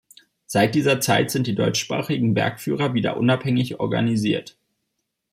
Seit dieser Zeit sind die deutschsprachigen Bergführer wieder unabhängig organisiert.